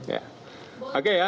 ya sepanjang sejarah